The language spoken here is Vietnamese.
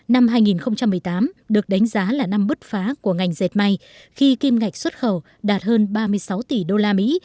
năm hai nghìn một mươi tám được đánh giá là năm bứt phá của ngành dệt may khi kim ngạch xuất khẩu đạt hơn ba mươi sáu tỷ usd